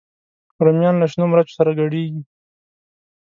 رومیان له شنو مرچو سره ګډېږي